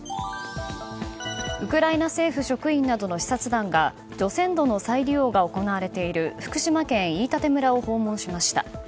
ウクライナ政府職員などの視察団が除染土の再利用が行われている福島県飯舘村を訪問しました。